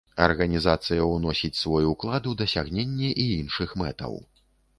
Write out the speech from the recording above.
Арганізацыя ўносіць свой уклад у дасягненне і іншых мэтаў.